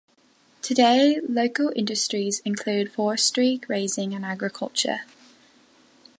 Today, local industries include forestry, grazing and agriculture.